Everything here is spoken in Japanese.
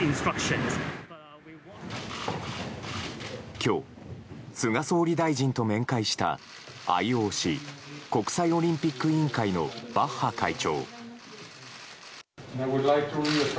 今日、菅総理大臣と面会したＩＯＣ・国際オリンピック委員会のバッハ会長。